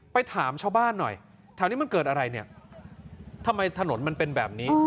ถามชาวบ้านหน่อยแถวนี้มันเกิดอะไรเนี่ยทำไมถนนมันเป็นแบบนี้